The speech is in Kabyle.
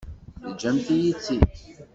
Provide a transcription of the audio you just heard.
Teǧǧamt-iyi-tt-id.